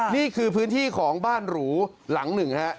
นี่คือพื้นที่ของบ้านหรูหลังหนึ่งฮะ